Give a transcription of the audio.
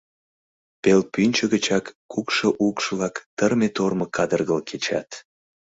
Пел пӱнчӧ гычак кукшо укш-влак тырме-тормо кадыргыл кечат.